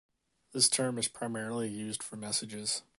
This term is primarily used for messages.